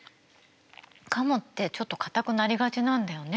カモってちょっとかたくなりがちなんだよね。